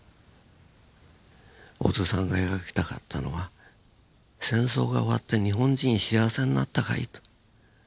小津さんが描きたかったのは「戦争が終わって日本人幸せになったかい？」と。